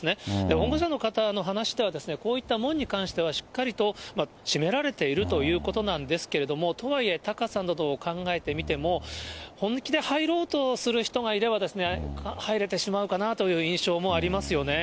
保護者の方の話では、こういった門に関してはしっかりと閉められているということなんですけれども、とはいえ、高さなどを考えてみても、本気で入ろうとする人がいれば、入れてしまうかなという印象もありますよね。